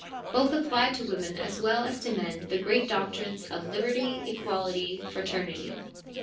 Both applied to women as well as to men the great doctrines of liberty, equality, fraternity.